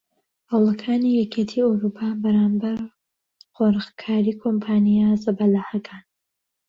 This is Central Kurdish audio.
هەوڵەکاتی یەکیەتی ئەوروپا بەرامبەر قۆرغکاری کۆمپانیا زەبەلاحەکان